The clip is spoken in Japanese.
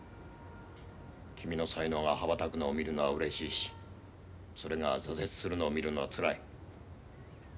君の才能が羽ばたくのを見るのはうれしいしそれが挫折するのを見るのはつらい。